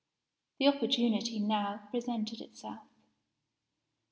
The opportunity now presented itself.